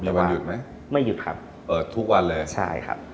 มีวันหยุดไหมไม่หยุดครับใช่ครับเปิดทุกวันเลย